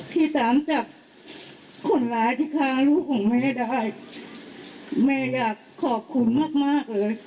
ที่ตามจับคนร้ายที่ฆ่าลูกของแม่ได้แม่อยากขอบคุณมากมากเลย